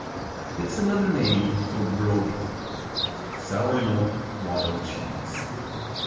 It's another name for Bloder, sour milk "waddle" cheese.